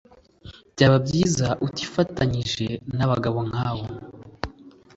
byaba byiza utifatanije nabagabo nkabo